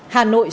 hà nội sáu ca